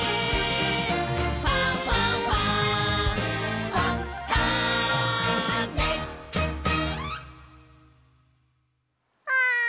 「ファンファンファン」あん。